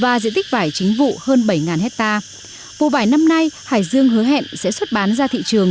và diện tích vải chính vụ hơn bảy hectare vụ vải năm nay hải dương hứa hẹn sẽ xuất bán ra thị trường